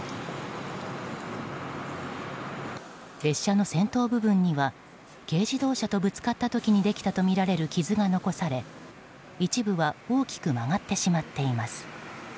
列車の先頭部分には軽自動車とぶつかった時にできたとみられる傷が残され一部は大きく曲がってしまっています。